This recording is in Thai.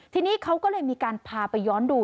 ทีนี้เขาก็เลยมีการพาไปย้อนดู